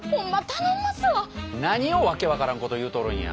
何を訳分からんこと言うとるんや。